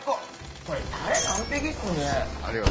これ、タレ完璧っすね。